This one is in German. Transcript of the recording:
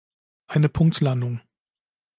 Eine Punktlandung.